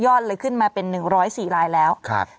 ยอดเลยขึ้นมาเป็น๑๐๔รายแล้วครับครับ